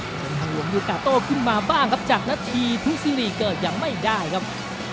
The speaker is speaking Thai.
เป็นทางห่วงลูกต่อโต้ขึ้นมาบ้างครับจากนัทธีพุทธซีรีย์เกิดยังไม่ได้ครับ